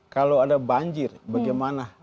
kalau ada banjir bagaimana